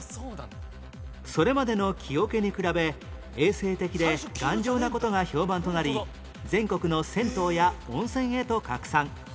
それまでの木桶に比べ衛生的で頑丈な事が評判となり全国の銭湯や温泉へと拡散